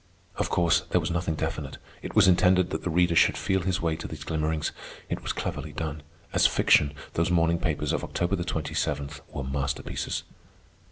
Of course, there was nothing definite. It was intended that the reader should feel his way to these glimmerings. It was cleverly done. As fiction, those morning papers of October 27th were masterpieces.